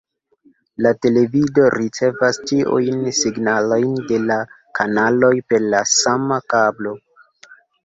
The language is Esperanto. La televido ricevas ĉiujn signalojn de la kanaloj per la sama kablo.